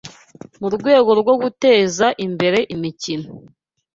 mu rwego rwo guteza imbere imikino